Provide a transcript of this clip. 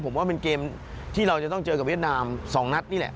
ผมว่าเป็นเกมที่เราจะต้องเจอกับเวียดนาม๒นัดนี่แหละ